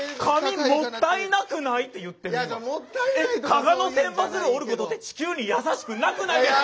「加賀の千羽鶴折ることって地球にやさしくなくないですか？」。